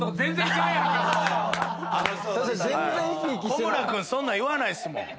コムラ君そんなん言わないっすもん。